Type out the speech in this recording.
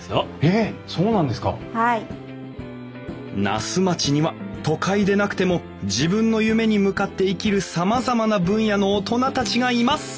「那須町には都会でなくても自分の夢に向かって生きるさまざまな分野の大人たちがいます」。